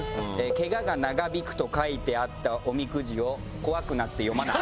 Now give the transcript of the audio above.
「ケガが長引く」と書いてあったおみくじを怖くなって読まない。